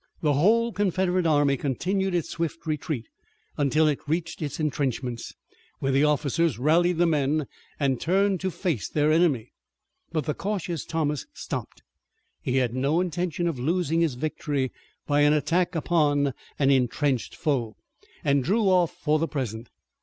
The whole Confederate army continued its swift retreat until it reached its intrenchments, where the officers rallied the men and turned to face their enemy. But the cautious Thomas stopped. He had no intention of losing his victory by an attack upon an intrenched foe, and drew off for the present.